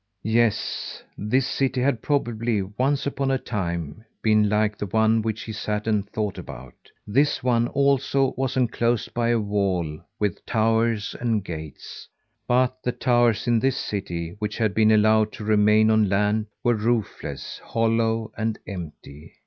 Yes, this city had probably, once upon a time, been like the one which he sat and thought about. This one, also, was enclosed by a wall with towers and gates. But the towers in this city, which had been allowed to remain on land, were roofless, hollow and empty.